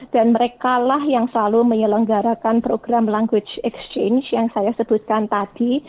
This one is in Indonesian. mereka lah yang selalu menyelenggarakan program language exchange yang saya sebutkan tadi